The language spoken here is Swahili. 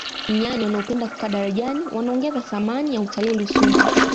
nyani wanaopenda kukaa darajani wanaongeza thamani ya utalii rusumo